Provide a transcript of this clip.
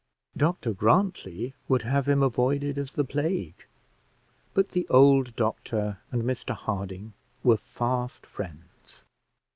Dr Grantly would have him avoided as the plague; but the old Doctor and Mr Harding were fast friends.